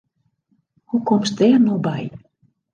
Hoe komst dêr no by?